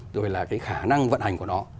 rồi là cái khả năng vận hành của nó